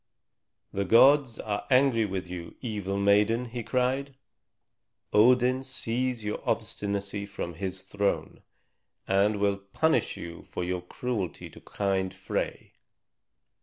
"The gods are angry with you, evil maiden!" he cried. "Odin sees your obstinacy from his throne, and will punish you for your cruelty to kind Frey.